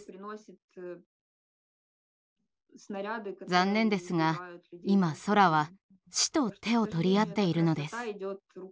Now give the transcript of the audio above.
残念ですが今空は死と手を取り合っているのです。